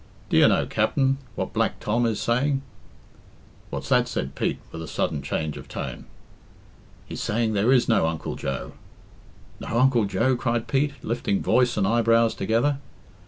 "Do you know, Capt'n, what Black Tom is saying?" "What's that?" said Pete, with a sudden change of tone. "He's saying there is no Uncle Joe." "No Uncle Joe?" cried Pete, lifting voice and eyebrows together.